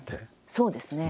そうですね。